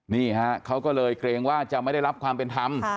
นี่ฮะเขาก็เลยเกรงว่าจะไม่ได้รับความเป็นธรรม